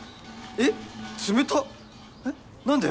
えっ何で？